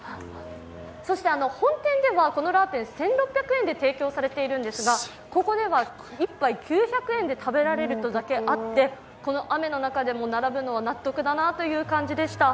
そして、本店ではこのラーメン１６００円で提供されているんですがここでは１杯９００円で食べられるとあってこの雨の中でも並ぶのは納得だなという感じでした。